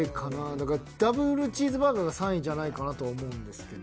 だからダブルチーズバーガーが３位じゃないかなと思うんですけど。